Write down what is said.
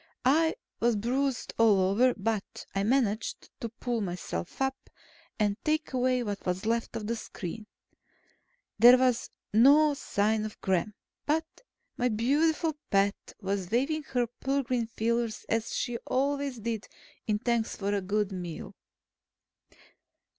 I was bruised all over, but I managed to pull myself up and take away what was left of the screen. There was no sign of Gremm, but my beautiful pet was waving her pearl green feelers as she always did in thanks for a good meal.